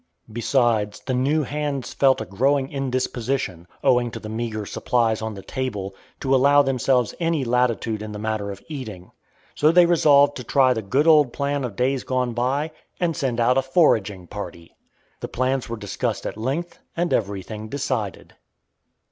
Besides, the "new hands" felt a growing indisposition, owing to the meagre supplies on the table, to allow themselves any latitude in the matter of eating. So they resolved to try the good old plan of days gone by, and send out a foraging party. The plans were discussed at length, and everything decided.